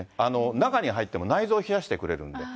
中に入っても内蔵冷やしてくれるらしいんで。